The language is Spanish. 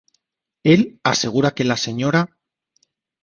Él asegura que la Sra.